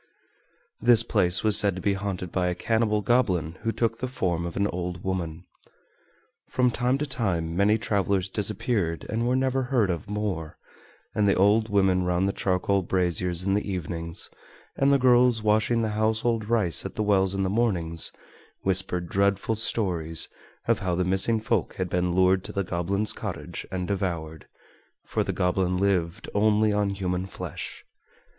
This place was said to be haunted by a cannibal goblin who took the form of an old woman. From time to time many travelers disappeared and were never heard of more, and the old women round the charcoal braziers in the evenings, and the girls washing the household rice at the wells in the mornings, whispered dreadful stories of how the missing folk had been lured to the goblin's cottage and devoured, for the goblin lived only on human flesh.